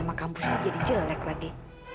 nama kampusnya jadi jelek lagi